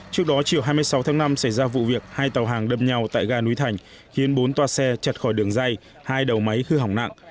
trước đó chiều hai mươi sáu tháng năm xảy ra vụ việc hai tàu hàng đâm nhau tại ga núi thành khiến bốn toa xe chặt khỏi đường dây hai đầu máy hư hỏng nặng